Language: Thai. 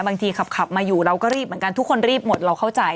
บางทีขับมาอยู่เราก็รีบเหมือนกันทุกคนรีบหมดเราเข้าใจ